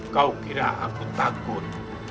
kau kira aku takut